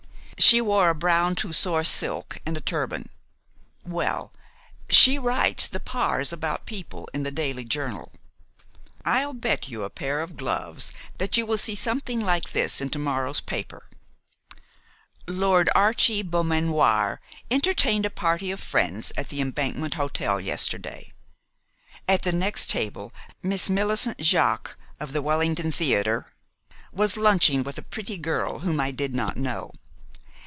She wore a brown Tussore silk and a turban well, she writes the 'Pars About People' in 'The Daily Journal.' I'll bet you a pair of gloves that you will see something like this in to morrow's paper: 'Lord Archie Beaumanoir entertained a party of friends at the Embankment Hotel yesterday. At the next table Miss Millicent Jaques, of the Wellington Theater, was lunching with a pretty girl whom I did not know.